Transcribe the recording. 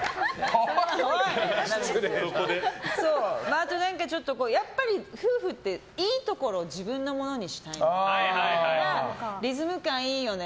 あと、やっぱり夫婦っていいところを自分のものにしたいからリズム感いいよね。